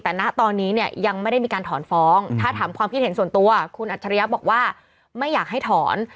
แต่ณตอนนี้เนี่ยยังไม่ได้มีการถอนฟ้องถ้าถามความคิดเห็นส่วนตัวคุณอัจฉริยะบอกว่าไม่อยากให้ถอน